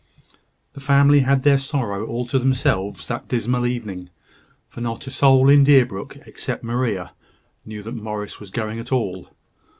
The family had their sorrow all to themselves that dismal evening; for not a soul in Deerbrook, except Maria, knew that Morris was going at all.